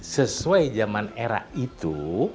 sesuai zaman era itu